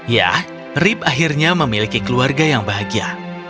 ya rip akhirnya memiliki keluarga yang bahagia